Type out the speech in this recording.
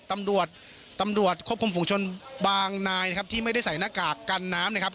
ตำรวจตำรวจควบคุมฝุงชนบางนายนะครับที่ไม่ได้ใส่หน้ากากกันน้ำนะครับ